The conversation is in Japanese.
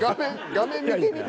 画面見てみ。